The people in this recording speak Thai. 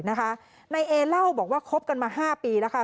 นะฮะในเอเล่าบอกว่าครบกันมาห้าปีแล้วค่ะ